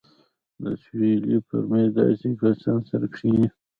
د سولې پر مېز داسې کسان سره کښېني.